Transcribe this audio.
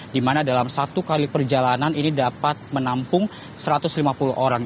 di mana dalam satu kali perjalanan ini dapat menampung satu ratus lima puluh orang